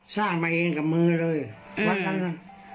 สร้างมาเองกับมือเลยวัดข้างนั้น